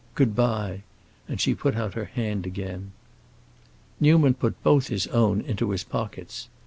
Good bye." And she put out her hand again. Newman put both his own into his pockets.